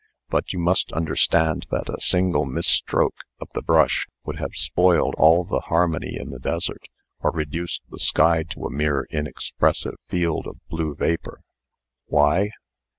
But you must understand that a single mis stroke of the brush would have spoiled all the harmony in the desert, or reduced the sky to a mere inexpressive field of blue vapor. Why?